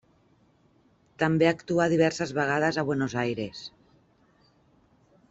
També actuà diverses vegades a Buenos Aires.